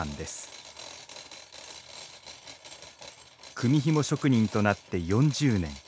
組みひも職人となって４０年。